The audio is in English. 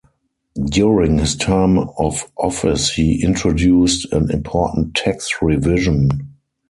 During his term of office he introduced an important tax revision.